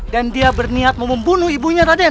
dan dia berniat mau membunuh ibunya raden